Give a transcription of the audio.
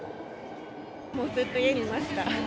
もうずっと家にいました。